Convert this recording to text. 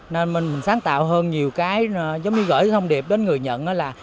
nên mình sáng tạo hơn nhiều cái giống mới gửi thông điệp đến người nhận là